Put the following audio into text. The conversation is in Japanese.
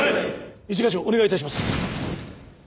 一課長お願い致します。